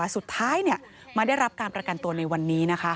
สุดท้ายเนี่ยมาได้รับการประกันตัวในวันนี้นะคะ